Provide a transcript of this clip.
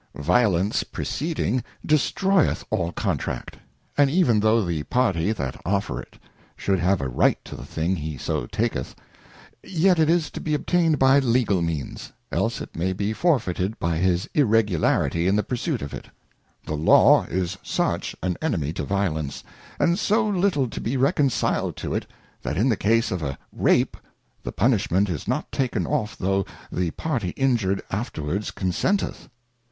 Violence preceding destroyeth all Contract, and even tho the party that ofBereth it should have a right to the thing he so taketh, yet it is to be obtained by legal means, else it may be forfeited by his irregularity in the pursuit of it : The Law is such an Enemy to Violence, and so little to be reconciled to it, that in the Case of a Rape, the Punishment is not taken off though the party injured afterwards consenteth.